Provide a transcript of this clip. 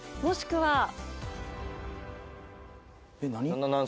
もしくは？